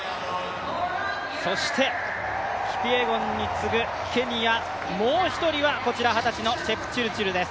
そしてキピエゴンに次ぐケニア、もう１人はこちら、二十歳のチェプチルチルです。